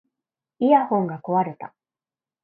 イヤホンが壊れた